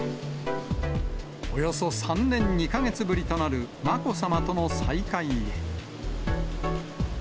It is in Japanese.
およそ３年２か月ぶりとなる、まこさまとの再会へ。